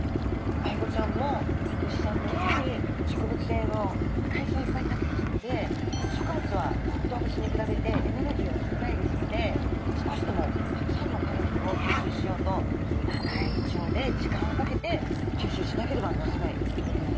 アイゴちゃんも牛さんのように植物性の海藻をいっぱい食べますので植物は動物に比べてエネルギーが少ないですので少しでもたくさんのカロリーを吸収しようと長い腸で時間をかけて吸収しなければならないということなんですね。